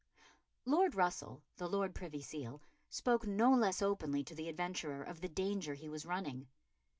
Lord Russell, the Lord Privy Seal, spoke no less openly to the adventurer of the danger he was running.